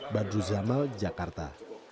badru zamal jakarta